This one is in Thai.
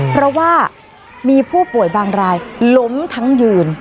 เพราะว่ามีผู้ป่วยบางรายล้มทั้งยืน